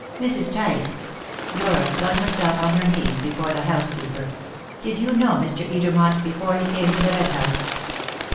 Mrs. Tice" Dora flung herself on her knees before the housekeeper "did you know Mr. Edermont before he came to the Red House?"